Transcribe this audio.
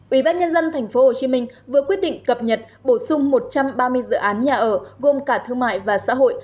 ủy ban nhân dân tp hcm vừa quyết định cập nhật bổ sung một trăm ba mươi dự án nhà ở gồm cả thương mại và xã hội